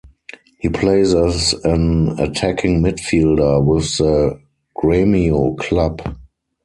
He plays as an attacking midfielder with the Gremio club.